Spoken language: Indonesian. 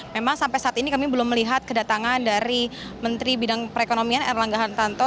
memang sampai saat ini kami belum melihat kedatangan dari menteri bidang perekonomian erlangga hartanto